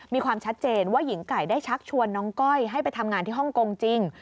มีความชัดเจนว่าหญิงไก่ได้ชักชวนน้องก้อยให้ไปทำงานที่ฮ่องกงจริง